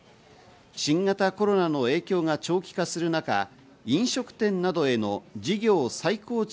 新型コロナの影響が長期化する中、飲食店などへの事業再構築